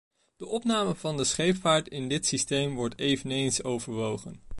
De opname van de scheepvaart in dit systeem wordt eveneens overwogen.